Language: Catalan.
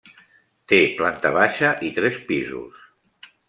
Té planta baixa i tres pisos.